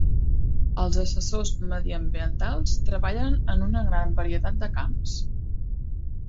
Els assessors mediambientals treballen en una gran varietat de camps.